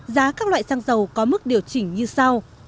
giá các loại xăng dầu có mức điều chỉnh như sau